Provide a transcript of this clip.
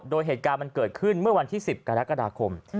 โดยเหตุการณ์มันเกิดขึ้นเมื่อวันที่๑๐กรกฎาคม